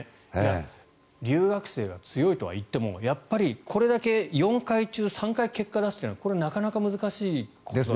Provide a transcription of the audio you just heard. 留学生は強いとは言ってもこれだけ４回中３回結果を出すというのはこれはなかなか難しいですよね。